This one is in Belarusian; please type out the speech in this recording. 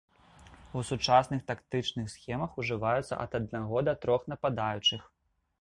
У сучасных тактычных схемах ужываюцца ад аднаго да трох нападаючых.